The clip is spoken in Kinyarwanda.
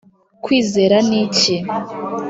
kwizera niki